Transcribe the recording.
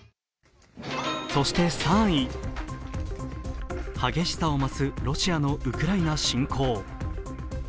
そして３位、激しさを増すロシアのウクライナ侵攻。